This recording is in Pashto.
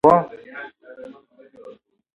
ما په خپل موبایل کې د هغې نوم په ډېر احتیاط سره ولیکه.